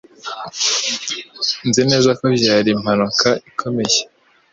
Nzi neza ko byari impanuka ikomeye.